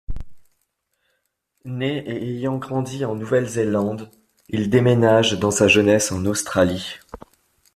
Né et ayant grandi en Nouvelle-Zélande, il déménage dans sa jeunesse en Australie.